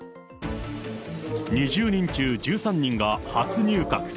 ２０人中１３人が初入閣。